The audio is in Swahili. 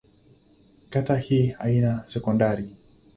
Kata hii haina sekondari.